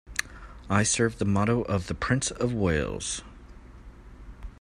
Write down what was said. I serve the motto of the Prince of Wales.